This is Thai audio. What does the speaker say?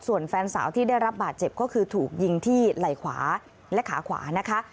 ส่วนแฟนสาวที่ได้รับบาดเจ็บก็คือถูกยิงที่ไหล่ขวาและขาขวานะคะ